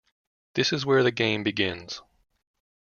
This is where the game begins.